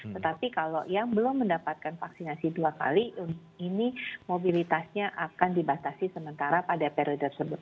tetapi kalau yang belum mendapatkan vaksinasi dua kali ini mobilitasnya akan dibatasi sementara pada periode tersebut